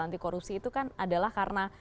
anti korupsi itu kan adalah karena